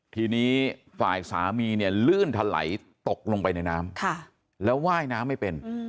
ทีนี้ฝ่ายสามีเนี่ยลื่นถลัยตกลงไปในน้ำแล้วว่ายน้ำไม่เป็น